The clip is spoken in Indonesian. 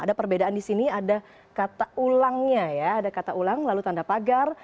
ada perbedaan di sini ada kata ulangnya ya ada kata ulang lalu tanda pagar